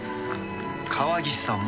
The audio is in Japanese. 川岸さんも。